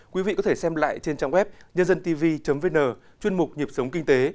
quý vị có thể xem lại trên trang web nhândântv vn chuyên mục nhịp sống kinh tế